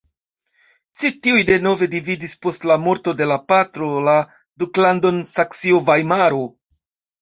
Ci tiuj denove dividis post la morto de la patro la duklandon Saksio-Vajmaro.